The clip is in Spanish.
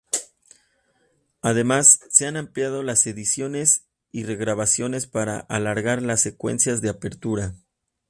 Además, se han ampliado las ediciones y regrabaciones para alargar las secuencias de apertura.